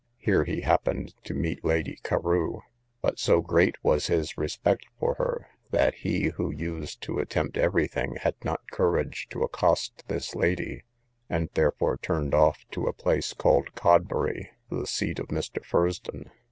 Here he happened to meet Lady Carew; but so great was his respect for her, that he, who used to attempt every thing, had not courage to accost this lady, and therefore turned off to a place called Codbury, the seat of Mr. Fursdon.